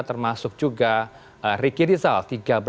termasuk juga riki rizal